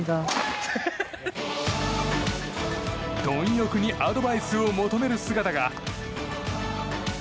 貪欲にアドバイスを求める姿が。